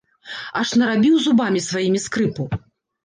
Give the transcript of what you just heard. Аж нарабіў зубамі сваімі скрыпу.